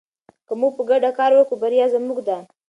که موږ په ګډه کار وکړو بریا زموږ ده.